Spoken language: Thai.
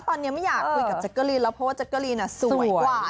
ตอนนี้ไม่อยากคุยกับแจ๊กเกอรีนแล้วเพราะว่าแจ๊กกะลีนสวยกว่า